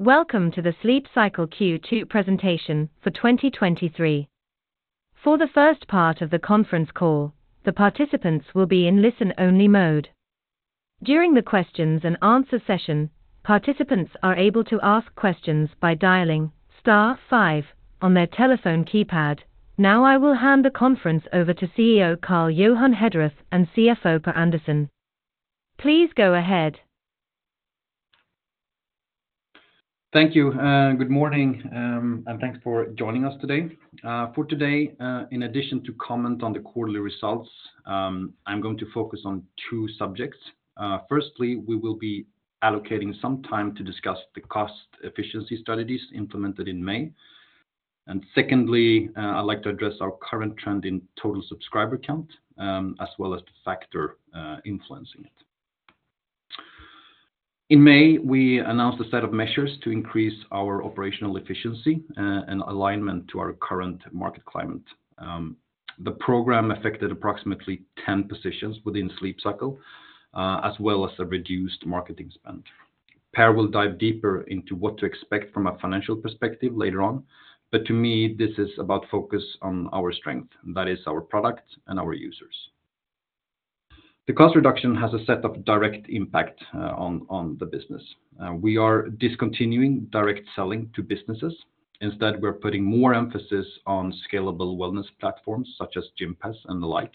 Welcome to the Sleep Cycle Q2 Presentation for 2023. For the first part of the conference call, the participants will be in listen-only mode. During the questions and answer session, participants are able to ask questions by dialing star five on their telephone keypad. I will hand the conference over to CEO Carl Johan Hederoth and CFO Per Andersson. Please go ahead. Thank you. Good morning, and thanks for joining us today. For today, in addition to comment on the quarterly results, I'm going to focus on two subjects. Firstly, we will be allocating some time to discuss the cost efficiency strategies implemented in May. Secondly, I'd like to address our current trend in total subscriber count, as well as the factor influencing it. In May, we announced a set of measures to increase our operational efficiency, and alignment to our current market climate. The program affected approximately 10 positions within Sleep Cycle, as well as a reduced marketing spend. Per will dive deeper into what to expect from a financial perspective later on, but to me, this is about focus on our strength, that is our product and our users. The cost reduction has a set of direct impact on the business. We are discontinuing direct selling to businesses. Instead, we're putting more emphasis on scalable wellness platforms such as Gympass and the like.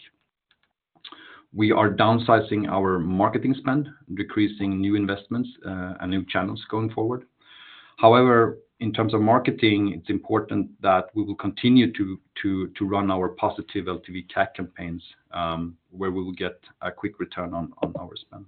We are downsizing our marketing spend, decreasing new investments and new channels going forward. However, in terms of marketing, it's important that we will continue to run our positive LTV CAC campaigns, where we will get a quick return on our spend.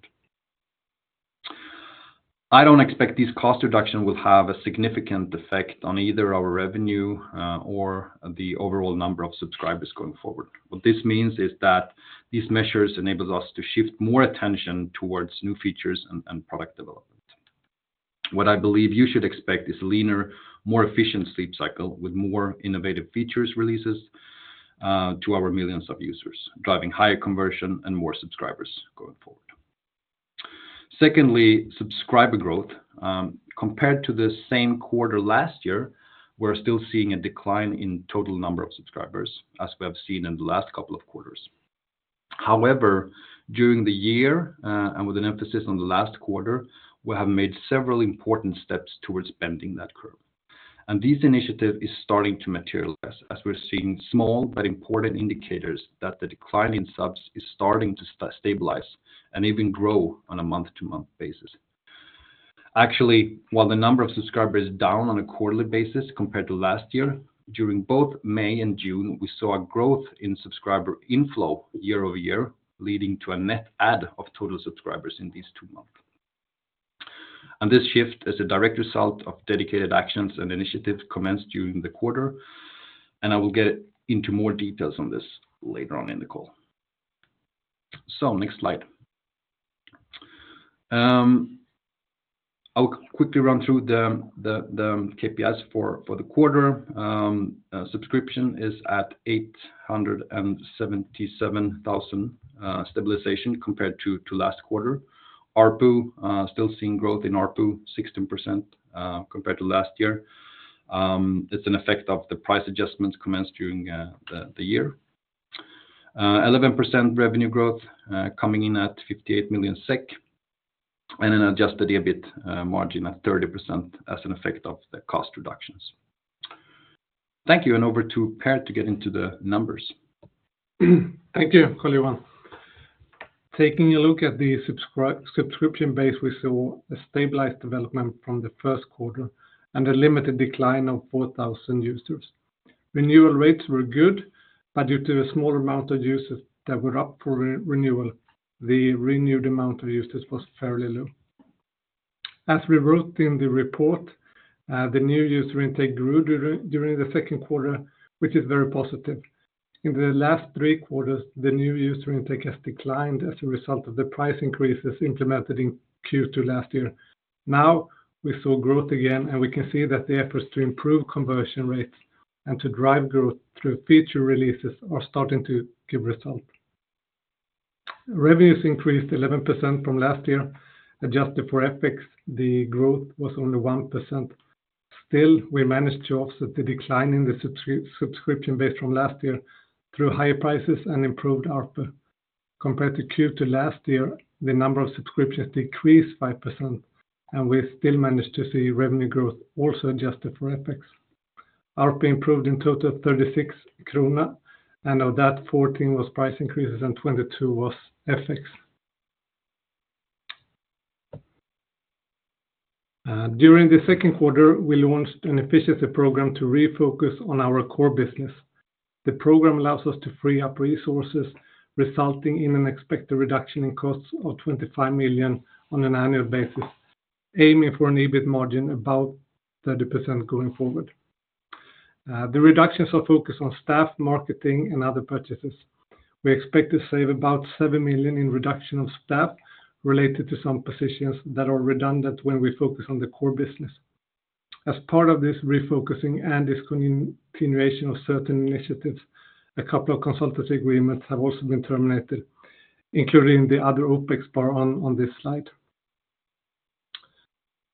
I don't expect this cost reduction will have a significant effect on either our revenue or the overall number of subscribers going forward. What this means is that these measures enables us to shift more attention towards new features and product development. What I believe you should expect is leaner, more efficient Sleep Cycle, with more innovative features releases, to our millions of users, driving higher conversion and more subscribers going forward. Secondly, subscriber growth. Compared to the same quarter last year, we're still seeing a decline in total number of subscribers, as we have seen in the last couple of quarters. However, during the year, and with an emphasis on the last quarter, we have made several important steps towards bending that curve. This initiative is starting to materialize as we're seeing small but important indicators that the decline in subs is starting to stabilize and even grow on a month-to-month basis. Actually, while the number of subscribers is down on a quarterly basis compared to last year, during both May and June, we saw a growth in subscriber inflow year-over-year, leading to a net add of total subscribers in these two months. This shift is a direct result of dedicated actions and initiatives commenced during the quarter, and I will get into more details on this later on in the call. Next slide. I will quickly run through the KPIs for the quarter. Subscription is at 877,000 stabilization compared to last quarter. ARPU still seeing growth in ARPU, 16% compared to last year. It's an effect of the price adjustments commenced during the year. 11% revenue growth, coming in at 58 million SEK, an adjusted EBIT margin at 30% as an effect of the cost reductions. Thank you. Over to Per to get into the numbers. Thank you, Carl Johan. Taking a look at the subscription base, we saw a stabilized development from the first quarter and a limited decline of 4, 000 users. Renewal rates were good, but due to a small amount of users that were up for renewal, the renewed amount of users was fairly low. As we wrote in the report, the new user intake grew during the second quarter, which is very positive. In the last three quarters, the new user intake has declined as a result of the price increases implemented in Q2 last year. We saw growth again, and we can see that the efforts to improve conversion rates and to drive growth through feature releases are starting to give result. Revenues increased 11% from last year. Adjusted for FX, the growth was only 1%. Still, we managed to offset the decline in the subscription base from last year through higher prices and improved ARPU. Compared to Q2 last year, the number of subscriptions decreased 5%, and we still managed to see revenue growth, also adjusted for FX. ARPU improved in total 36 krona, and of that, 14 was price increases and 22 was FX. During the second quarter, we launched an efficiency program to refocus on our core business. The program allows us to free up resources, resulting in an expected reduction in costs of 25 million on an annual basis, aiming for an EBIT margin about 30% going forward. The reductions are focused on staff, marketing, and other purchases. We expect to save about 7 million in reduction of staff related to some positions that are redundant when we focus on the core business. As part of this refocusing and discontinuation of certain initiatives, a couple of consultancy agreements have also been terminated, including the other OpEX bar on this slide.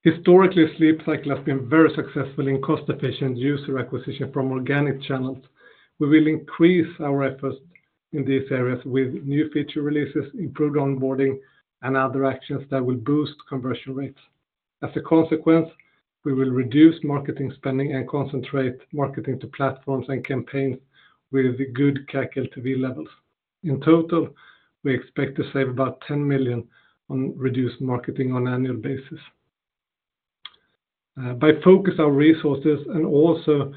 Historically, Sleep Cycle has been very successful in cost-efficient user acquisition from organic channels. We will increase our efforts in these areas with new feature releases, improved onboarding, and other actions that will boost conversion rates. As a consequence, we will reduce marketing spending and concentrate marketing to platforms and campaigns with good CAC LTV levels. In total, we expect to save about 10 million on reduced marketing on annual basis. By focus our resources and also,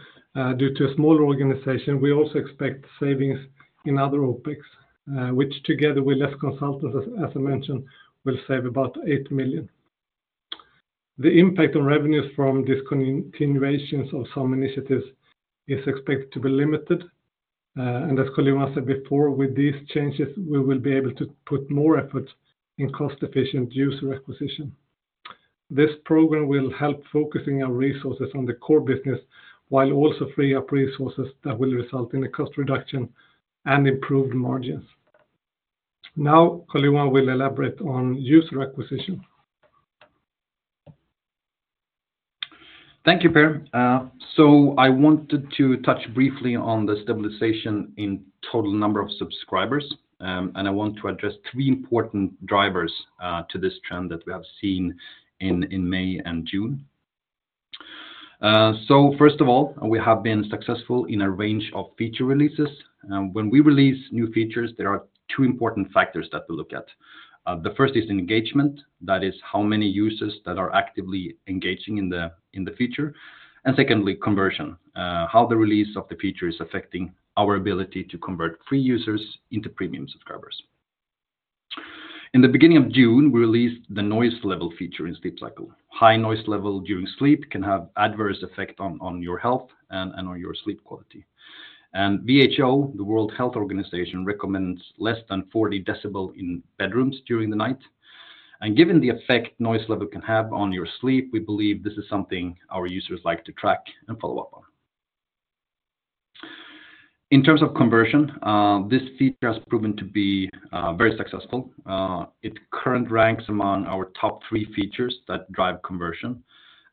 due to a smaller organization, we also expect savings in other OpEx, which together with less consultants, as I mentioned, will save about 8 million. The impact on revenues from discontinuations of some initiatives is expected to be limited. As Carl Johan said before, with these changes, we will be able to put more effort in cost-efficient user acquisition. This program will help focusing our resources on the core business, while also free up resources that will result in a cost reduction and improved margins. Carl Johan will elaborate on user acquisition. Thank you, Per. I wanted to touch briefly on the stabilization in total number of subscribers, and I want to address three important drivers to this trend that we have seen in May and June. First of all, we have been successful in a range of feature releases, and when we release new features, there are two important factors that we look at. The first is engagement. That is how many users that are actively engaging in the feature. Secondly, conversion, how the release of the feature is affecting our ability to convert free users into premium subscribers. In the beginning of June, we released the noise level feature in Sleep Cycle. High noise level during sleep can have adverse effect on your health and on your sleep quality. WHO, the World Health Organization, recommends less than 40 decibel in bedrooms during the night. Given the effect noise level can have on your sleep, we believe this is something our users like to track and follow up on. In terms of conversion, this feature has proven to be very successful. It current ranks among our top three features that drive conversion,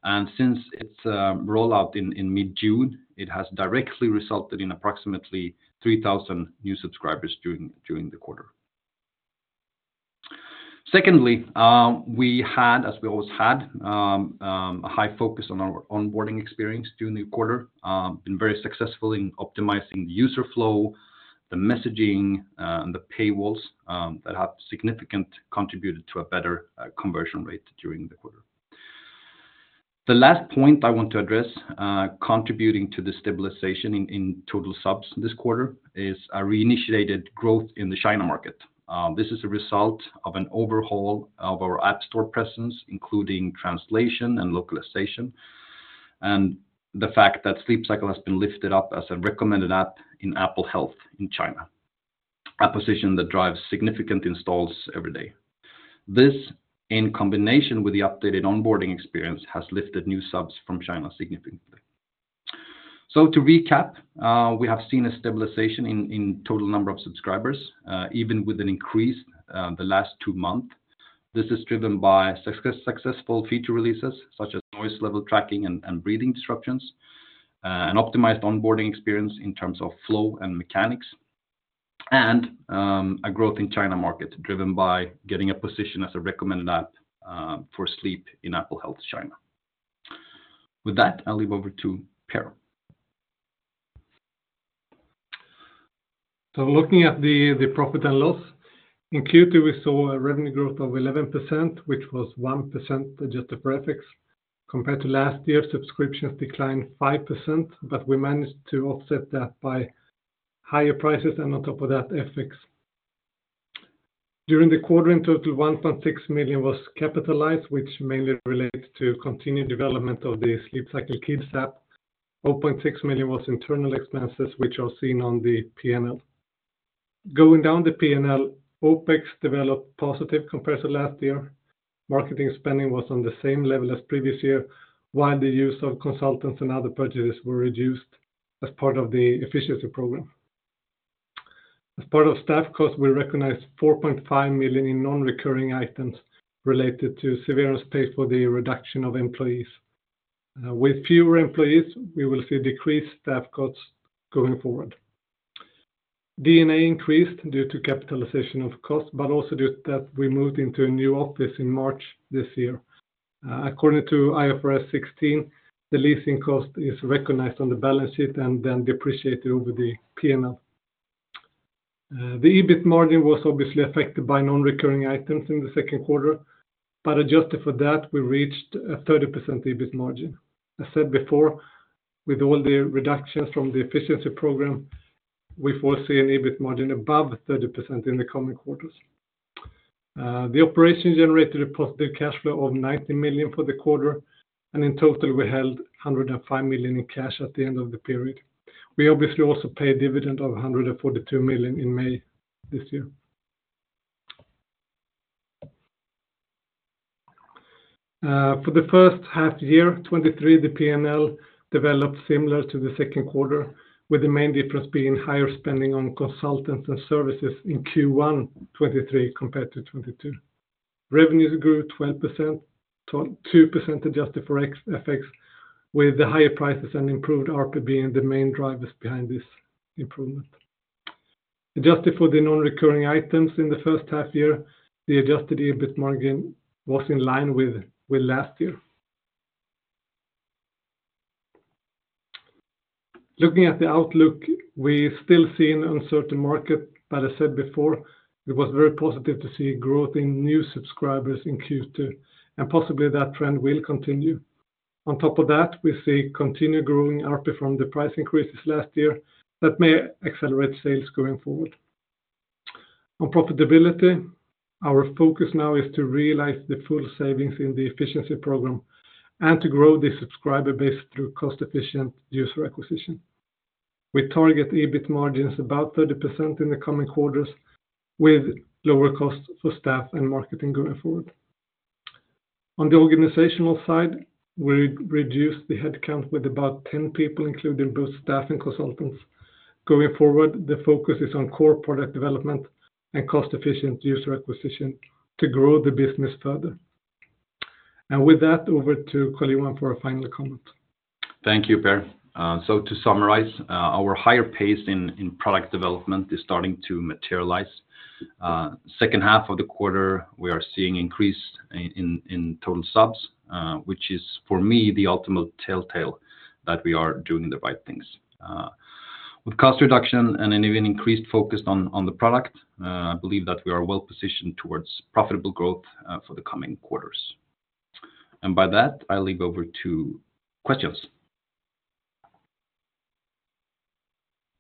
and since its rollout in mid-June, it has directly resulted in approximately 3,000 new subscribers during the quarter. Secondly, we had, as we always had, a high focus on our onboarding experience during the quarter, been very successful in optimizing the user flow, the messaging, and the paywalls, that have significant contributed to a better conversion rate during the quarter. The last point I want to address, contributing to the stabilization in total subs this quarter, is a reinitiated growth in the China market. This is a result of an overhaul of our App Store presence, including translation and localization, and the fact that Sleep Cycle has been lifted up as a recommended app in Apple Health in China, a position that drives significant installs every day. This, in combination with the updated onboarding experience, has lifted new subs from China significantly. To recap, we have seen a stabilization in total number of subscribers, even with an increase the last two month. This is driven by successful feature releases, such as Noise Level tracking and Breathing Disruptions, an optimized onboarding experience in terms of flow and mechanics, and a growth in China market, driven by getting a position as a recommended app for sleep in Apple Health China. With that, I'll leave over to Per. Looking at the profit and loss, in Q2, we saw a revenue growth of 11%, which was 1% adjusted for FX. Compared to last year, subscriptions declined 5%, but we managed to offset that by higher prices, and on top of that, FX. During the quarter, in total, 1.6 million was capitalized, which mainly relates to continued development of the Sleep Cycle Kids app. 0.6 million was internal expenses, which are seen on the P&L. Going down the P&L, OpEx developed positive compared to last year. Marketing spending was on the same level as previous year, while the use of consultants and other purchases were reduced as part of the efficiency program. As part of staff costs, we recognized 4.5 million in non-recurring items related to severe pay for the reduction of employees. With fewer employees, we will see decreased staff costs going forward. D&A increased due to capitalization of costs, also due to that, we moved into a new office in March this year. According to IFRS 16, the leasing cost is recognized on the balance sheet and then depreciated over the P&L. The EBIT margin was obviously affected by non-recurring items in the second quarter, but adjusted for that, we reached a 30% EBIT margin. I said before, with all the reductions from the efficiency program, we foresee an EBIT margin above 30% in the coming quarters. The operation generated a positive cash flow of [90 million] for the quarter, in total, we held 105 million in cash at the end of the period. We obviously also paid a dividend of 142 million in May this year. For the first half year 2023, the P&L developed similar to the second quarter, with the main difference being higher spending on consultants and services in Q1 2023 compared to 2022. Revenues grew 12%, 2% adjusted for ex- FX, with the higher prices and improved ARPU being the main drivers behind this improvement. Adjusted for the non-recurring items in the first half year, the adjusted EBIT margin was in line with last year. Looking at the outlook, we still see an uncertain market. I said before, it was very positive to see growth in new subscribers in Q2, possibly that trend will continue. On top of that, we see continued growing ARPU from the price increases last year that may accelerate sales going forward. On profitability, our focus now is to realize the full savings in the efficiency program and to grow the subscriber base through cost-efficient user acquisition. We target EBIT margins about 30% in the coming quarters, with lower costs for staff and marketing going forward. On the organizational side, we reduced the headcount with about 10 people, including both staff and consultants. Going forward, the focus is on core product development and cost-efficient user acquisition to grow the business further. With that, over to Carl Johan for a final comment. Thank you, Per. To summarize, our higher pace in product development is starting to materialize. Second half of the quarter, we are seeing increase in total subs, which is, for me, the ultimate telltale that we are doing the right things. With cost reduction and an even increased focus on the product, I believe that we are well-positioned towards profitable growth for the coming quarters. By that, I'll leave over to questions.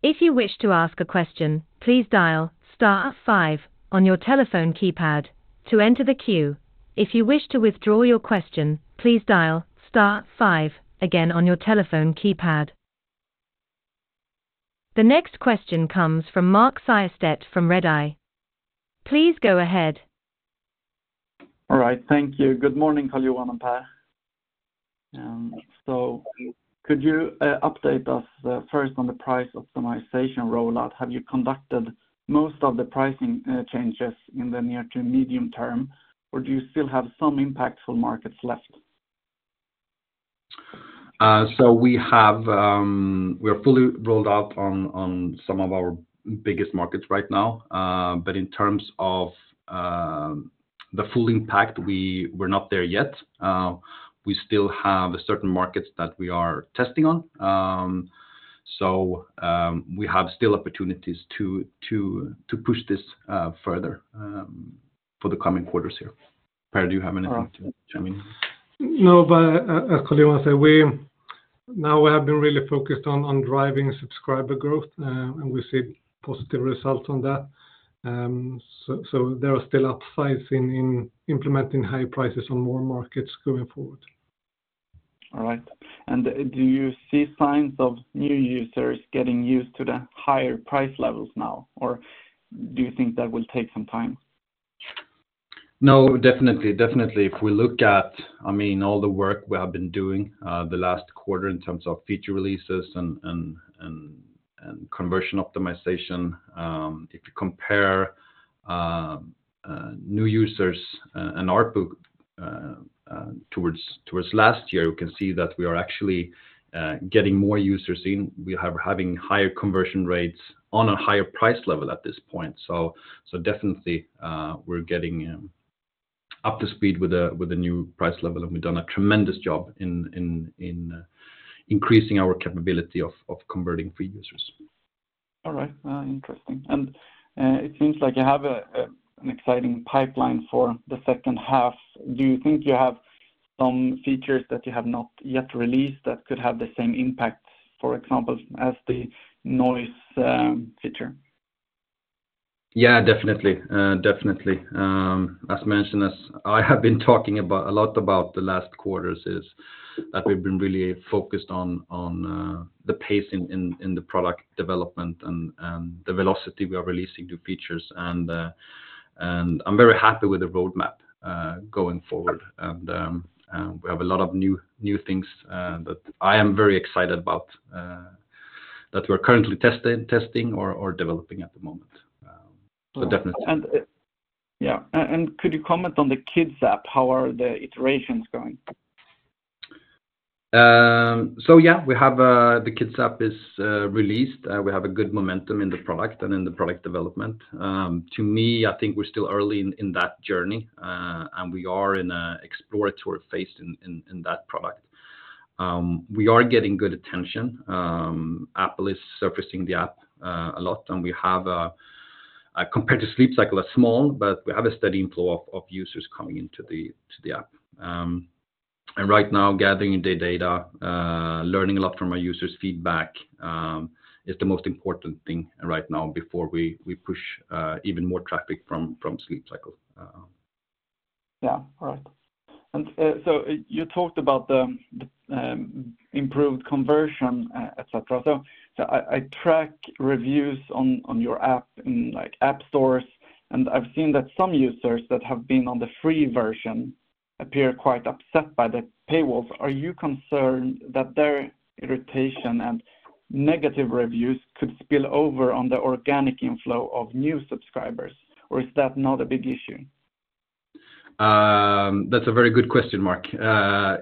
If you wish to ask a question, please dial star five on your telephone keypad to enter the queue. If you wish to withdraw your question, please dial star five again on your telephone keypad. The next question comes from Mark Siöstedt from Redeye. Please go ahead. All right, thank you. Good morning, Carl Johan and Per. Could you update us first on the price optimization rollout? Have you conducted most of the pricing changes in the near to medium term, or do you still have some impactful markets left? We are fully rolled out on some of our biggest markets right now. In terms of the full impact, we're not there yet. We still have certain markets that we are testing on, so we have still opportunities to push this further for the coming quarters here. Per, do you have anything to chime in? As Carl Johan said, now we have been really focused on driving subscriber growth, and we see positive results on that. There are still upsides in implementing high prices on more markets going forward. All right. Do you see signs of new users getting used to the higher price levels now, or do you think that will take some time? Definitely. If we look at, I mean, all the work we have been doing, the last quarter in terms of feature releases and conversion optimization, if you compare new users and ARPU towards last year, you can see that we are actually getting more users in. Having higher conversion rates on a higher price level at this point. Definitely, we're getting up to speed with the new price level, and we've done a tremendous job in increasing our capability of converting free users. All right, interesting. It seems like you have an exciting pipeline for the second half. Do you think you have some features that you have not yet released that could have the same impact, for example, as the noise feature? Yeah, definitely. As mentioned, as I have been talking a lot about the last quarters, is that we've been really focused on the pace in the product development and the velocity we are releasing new features, and I'm very happy with the roadmap going forward. We have a lot of new things that I am very excited about that we're currently testing or developing at the moment. Definitely. Yeah, and could you comment on the Kids App? How are the iterations going? Yeah, we have the Kids app is released. We have a good momentum in the product and in the product development. To me, I think we're still early in that journey, and we are in an exploratory phase in that product. We are getting good attention. Apple is surfacing the app a lot, and we have a, compared to Sleep Cycle, a small, but we have a steady inflow of users coming into the app. Right now, gathering the data, learning a lot from our users' feedback, is the most important thing right now before we push even more traffic from Sleep Cycle. Yeah. All right. So you talked about the improved conversion, et cetera. I track reviews on your app in like app stores, and I've seen that some users that have been on the free version appear quite upset by the paywall. Are you concerned that their irritation and negative reviews could spill over on the organic inflow of new subscribers, or is that not a big issue? That's a very good question, Mark.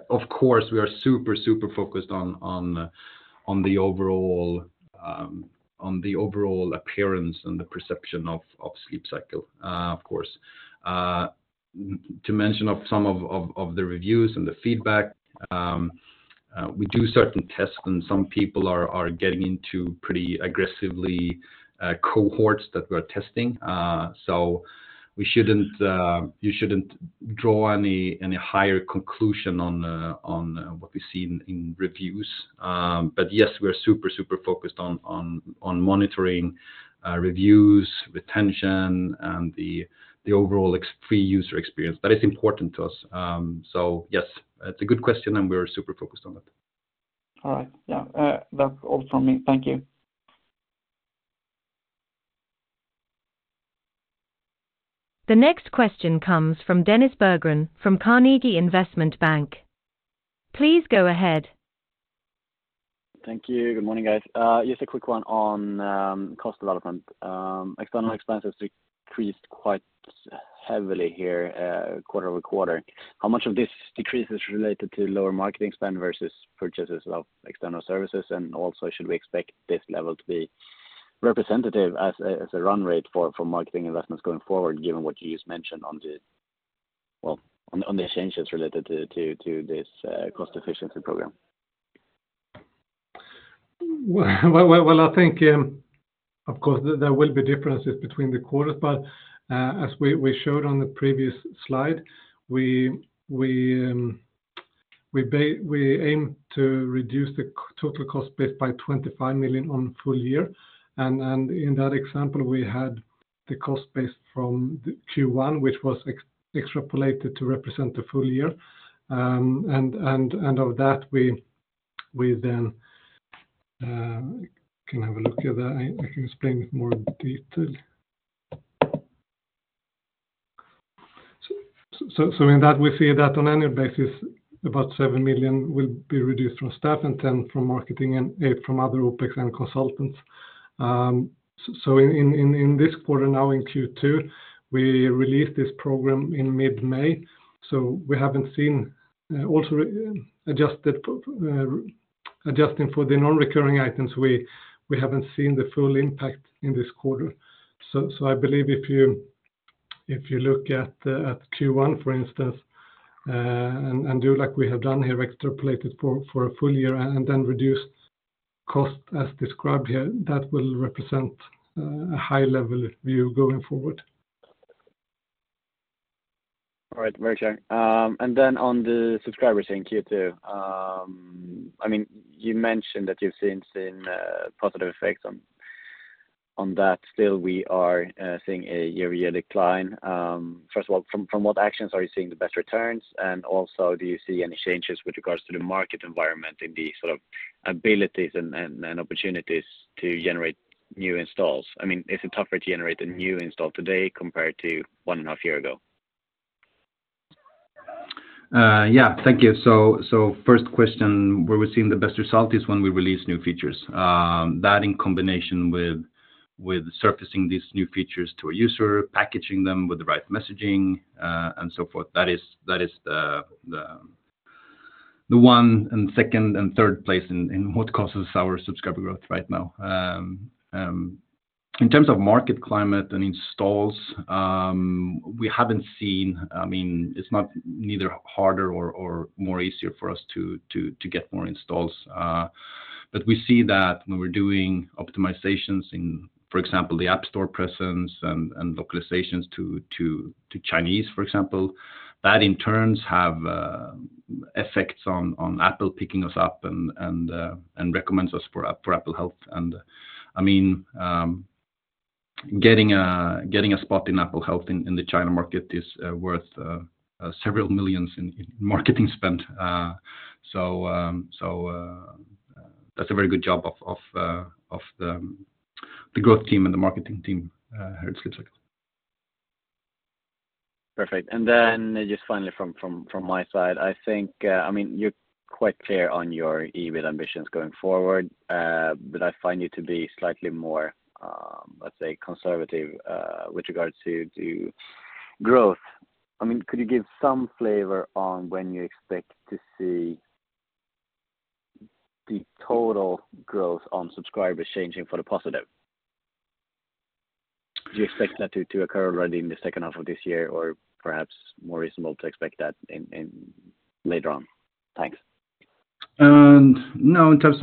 Of course, we are super focused on the overall appearance and the perception of Sleep Cycle, of course. To mention of some of the reviews and the feedback, we do certain tests, and some people are getting into pretty aggressively cohorts that we're testing. We shouldn't, you shouldn't draw any higher conclusion on what we see in reviews. Yes, we're super focused on monitoring reviews, retention, and the overall free user experience. That is important to us. Yes, it's a good question, and we're super focused on it. All right. Yeah. That's all from me. Thank you. The next question comes from Dennis Berggren from Carnegie Investment Bank. Please go ahead. Thank you. Good morning, guys. Just a quick one on cost development. External expenses decreased quite heavily here, quarter-over-quarter. How much of this decrease is related to lower marketing spend versus purchases of external services? Should we expect this level to be representative as a run rate for marketing investments going forward, given what you just mentioned on the changes related to this cost efficiency program? Well, well, well, I think, of course, there will be differences between the quarters, but as we showed on the previous slide, we aim to reduce the total cost base by 25 million on full year. In that example, we had the cost base from Q1, which was extrapolated to represent the full year. Of that, we then can have a look at that. I can explain it more in detail. In that, we see that on annual basis, about 7 million will be reduced from staff, and 10 million from marketing, and 8 million from other OpEx and consultants. In this quarter, now in Q2, we released this program in mid-May, so we haven't seen, also adjusted, adjusting for the non-recurring items, we haven't seen the full impact in this quarter. I believe if you look at Q1, for instance, and do like we have done here, extrapolated for a full year and then reduced cost as described here, that will represent a high-level view going forward. All right, very clear. On the subscriber change in Q2, I mean, you mentioned that you've seen positive effects on that. Still, we are seeing a year-over-year decline. First of all, from what actions are you seeing the best returns? Also, do you see any changes with regards to the market environment in the sort of abilities and opportunities to generate new installs? I mean, is it tougher to generate a new install today compared to one and a half year ago? Yeah. Thank you. First question, where we're seeing the best result is when we release new features. That in combination with surfacing these new features to a user, packaging them with the right messaging, and so forth, that is the one and second and third place in what causes our subscriber growth right now. In terms of market climate and installs, I mean, it's not neither harder or more easier for us to get more installs. We see that when we're doing optimizations in, for example, the App Store presence and localizations to Chinese, for example, that in turn have effects on Apple picking us up and recommends us for Apple Health. I mean, getting a spot in Apple Health in the China market is worth several millions in marketing spend. That's a very good job of the growth team and the marketing team here at Sleep Cycle. Perfect. Then just finally from my side, I think, I mean, you're quite clear on your EBIT ambitions going forward, but I find you to be slightly more, let's say, conservative, with regards to growth. I mean, could you give some flavor on when you expect to see the total growth on subscribers changing for the positive? Do you expect that to occur already in the second half of this year, or perhaps more reasonable to expect that later on? Thanks. No, in terms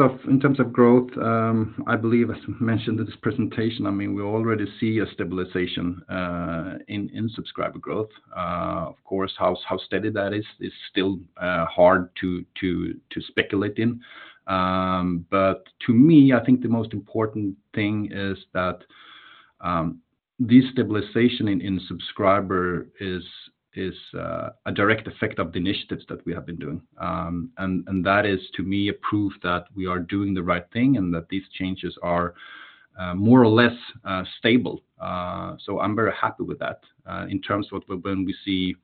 of growth, I believe, as mentioned in this presentation, I mean, we already see a stabilization in subscriber growth. Of course, how steady that is still hard to speculate in. But to me, I think the most important thing is that this stabilization in subscriber is a direct effect of the initiatives that we have been doing. And that is, to me, a proof that we are doing the right thing and that these changes are more or less stable. So I'm very happy with that. In terms of when we see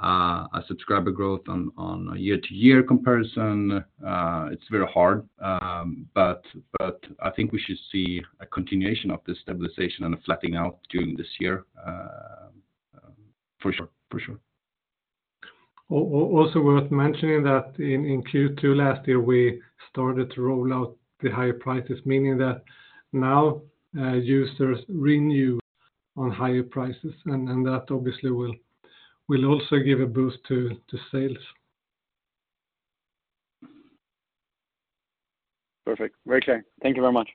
a subscriber growth on a year-to-year comparison, it's very hard, but I think we should see a continuation of this stabilization and a flattening out during this year, for sure. Also worth mentioning that in Q2 last year, we started to roll out the higher prices, meaning that now users renew on higher prices, and that obviously will also give a boost to sales. Perfect. Very clear. Thank you very much.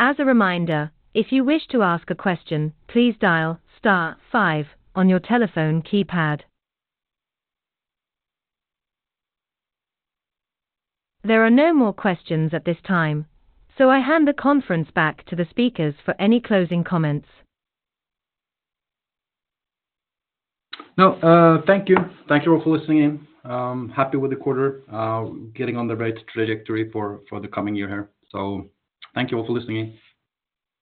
As a reminder, if you wish to ask a question, please dial star five on your telephone keypad. There are no more questions at this time, so I hand the conference back to the speakers for any closing comments. No, thank you. Thank you all for listening in. I'm happy with the quarter, getting on the right trajectory for the coming year here. Thank you all for listening in.